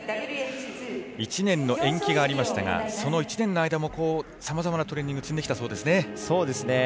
１年の延期がありましたがその１年の間もさまざまなトレーニングを積んできたそうですね。